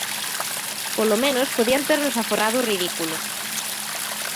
Polo menos podían ternos aforrado o ridículo!